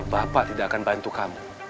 bapak tidak akan bantu kamu